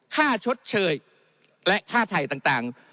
ค่าชดเชยและค่าไถ่ต่าง